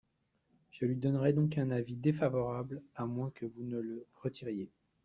Je lui donnerai donc un avis défavorable, à moins que vous ne le retiriez.